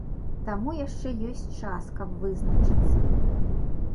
Таму яшчэ ёсць час, каб вызначыцца.